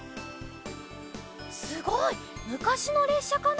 すごい！むかしのれっしゃかな？